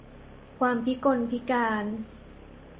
ความพิกลพิการ